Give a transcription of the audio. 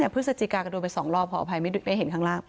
พฤศจิกาก็โดนไป๒รอบขออภัยได้เห็นข้างล่าง